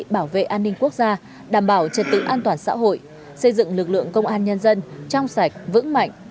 bảo vệ an ninh quốc gia đảm bảo trật tự an toàn xã hội xây dựng lực lượng công an nhân dân trong sạch vững mạnh